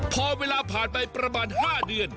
พอเวลาผ่านไปประมาณ๕เดือน